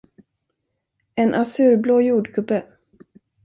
En azurblå jordgubbe.